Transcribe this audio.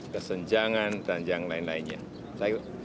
dan perjalanan kembali ke kemudahan